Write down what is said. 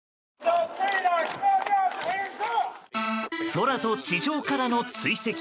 空と地上からの追跡。